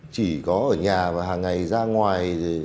chỉ có ở nhà và hàng ngày ra ngoài